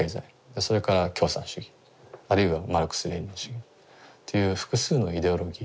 それから共産主義あるいはマルクス・レーニン主義という複数のイデオロギー。